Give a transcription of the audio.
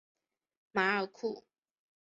马尔库。